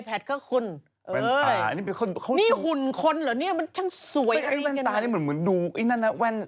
ก็แบบว่าเขากันแดดจะได้ไม่เป็นฟ้า